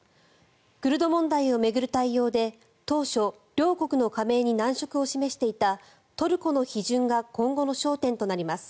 クルド問題を巡る対応で当初、両国の加盟に難色を示していたトルコの批准が今後の焦点となります。